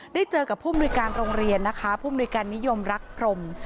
ได้เจอกับผู้มนุยการโรงเรียนนะคะผู้มนุยการนิยมรักพรม